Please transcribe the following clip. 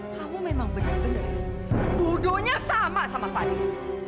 kamu memang bener bener budo nya sama sama fadil